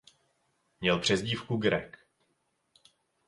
Měl přezdívku Greg.